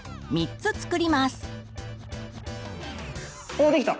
おできた。